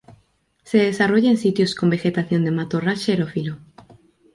Se desarrolla en sitios con vegetación de matorral xerófilo.